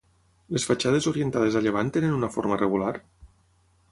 Les fatxades orientades a llevant tenen una forma regular?